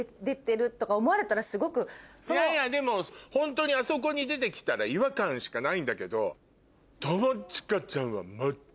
いやいやでもホントにあそこに出てきたら違和感しかないんだけど友近ちゃんは。